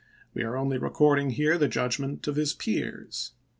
We are only recording here the judgment of his peers.